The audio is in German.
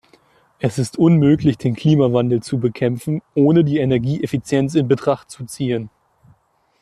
Es ist unmöglich, den Klimawandel zu bekämpfen, ohne die Energieeffizienz in Betracht zu ziehen.